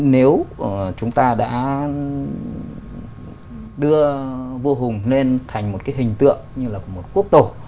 nếu chúng ta đã đưa vũ hùng lên thành một hình tượng như là một quốc tổ